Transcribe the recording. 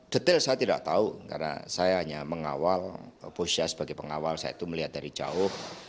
detail saya tidak tahu karena saya hanya mengawal bosya sebagai pengawal saya itu melihat dari jauh